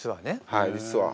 はい実は。